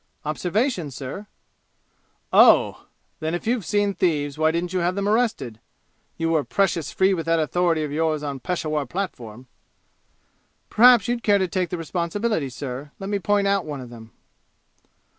"Observation, sir." "Oh! Then if you've seen thieves, why didn't you have 'em arrested? You were precious free with that authority of yours on Peshawur platform!" "Perhaps you'd care to take the responsibility, sir? Let me point out one of them."